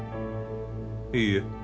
いいえ